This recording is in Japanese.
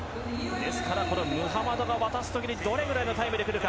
ですからムハマドが渡す時にどれぐらいのタイムで来るか。